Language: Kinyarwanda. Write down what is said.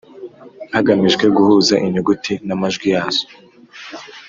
hagamijwe guhuza inyuguti n’amajwi yazo ;